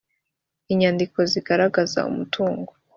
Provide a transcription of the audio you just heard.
inyandiko zigaragaza umutungo